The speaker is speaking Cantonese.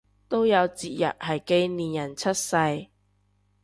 都有節日係紀念人出世